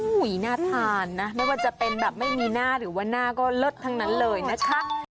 น่าทานนะไม่ว่าจะเป็นแบบไม่มีหน้าหรือว่าหน้าก็เลิศทั้งนั้นเลยนะคะ